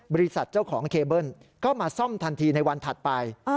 บริษัทเจ้าของเคเบิ้ลก็มาซ่อมทันทีในวันถัดไป